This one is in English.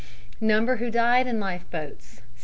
Number who died in life boats, 6.